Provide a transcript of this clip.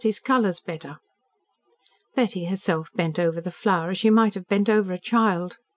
His colour's better." Betty herself bent over the flower as she might have bent over a child.